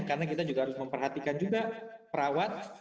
karena kita juga harus memperhatikan juga perawat